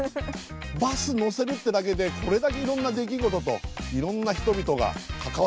バス乗せるってだけでこれだけいろんな出来事といろんな人々が関わってきてくれるっていう。